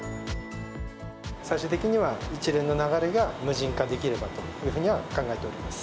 最終的には、一連の流れが無人化できればというふうには考えております。